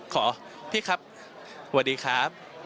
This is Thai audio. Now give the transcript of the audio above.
ขอพี่ครับสวัสดีครับ